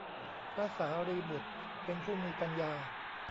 พระสารีบุตร เป็นผู้มีปัญญา